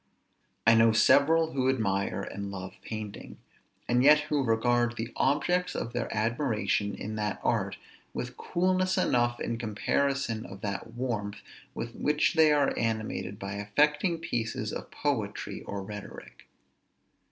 I know several who admire and love painting, and yet who regard the objects of their admiration in that art with coolness enough in comparison of that warmth with which they are animated by affecting pieces of poetry or rhetoric.